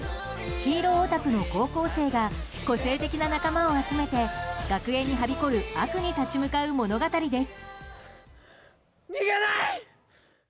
ヒーローオタクの高校生が個性的な仲間を集めて学園にはびこる悪に立ち向かう物語です。